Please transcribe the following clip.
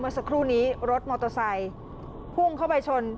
สักครู่นี้รถมอเตอร์ไซค์พุ่งเข้าไปชน